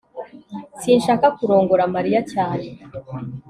sinshaka kurongora mariya cyane